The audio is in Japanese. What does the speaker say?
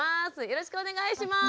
よろしくお願いします。